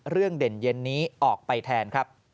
เรื่องเด่นเย็นนี้ออกไปแทน